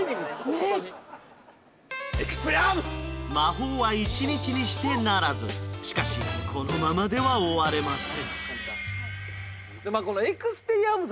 ホントに魔法は一日にしてならずしかしこのままでは終われません